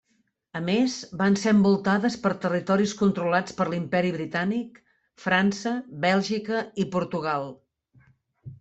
A més, van ser envoltades per territoris controlats per l'Imperi Britànic, França, Bèlgica i Portugal.